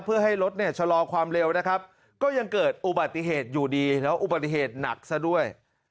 เพื่อให้รถเนี่ยชะลอความเร็วนะครับก็ยังเกิดอุบัติเหตุอยู่ดีแล้วอุบัติเหตุหนักซะด้วย